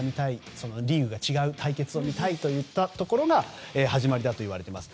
そのリーグが違う対決を見たいと言ったことが始まりだといわれています。